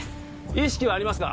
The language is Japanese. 意識はありますか？